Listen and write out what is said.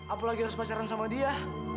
apalagi harus pacaran sama dia